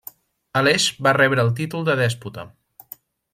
Aleix va rebre el títol de dèspota.